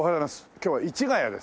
今日は市ヶ谷です。